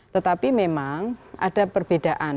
tetapi memang ada perbedaan